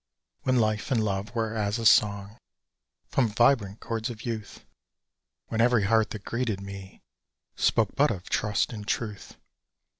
When life and love were as a song From vibrant chords of youth! When every heart that greeted me Spoke but of trust and truth!